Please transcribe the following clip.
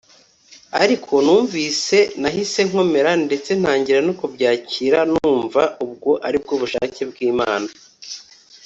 ariko numvise nahise nkomera ndetse ntangira no kubyakira numva ubwo aribwo bushake bw’Imana